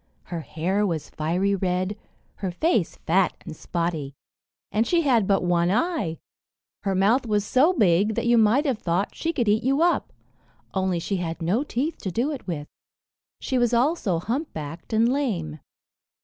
Her hair was fiery red, her face fat and spotty, and she had but one eye. Her mouth was so big that you might have thought she could eat you up, only she had no teeth to do it with; she was also humpbacked and lame.